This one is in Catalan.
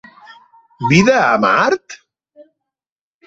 Vida a Mart?